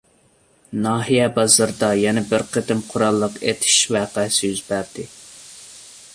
ناھىيە بازىرىدا يەنە بىر قېتىم قوراللىق ئېتىش ۋەقەسى يۈز بەردى.